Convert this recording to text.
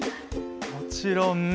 もちろん。